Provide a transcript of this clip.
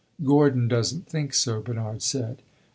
"Gordon does n't think so," Bernard said.